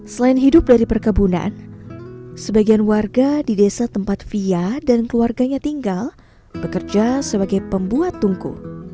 selain hidup dari perkebunan sebagian warga di desa tempat fia dan keluarganya tinggal bekerja sebagai pembuat tungku